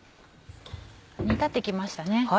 煮立って来ましたね。